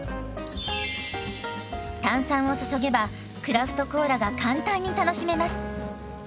炭酸を注げばクラフトコーラが簡単に楽しめます。